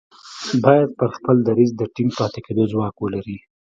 بايد پر خپل دريځ د ټينګ پاتې کېدو ځواک ولري.